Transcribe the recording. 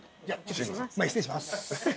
前失礼します。